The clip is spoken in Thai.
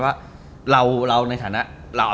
ว่าเราในฐานะ